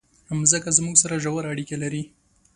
مځکه زموږ سره ژوره اړیکه لري.